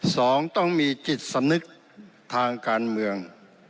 สองต้องมีจิตสำนึกทางการเมือง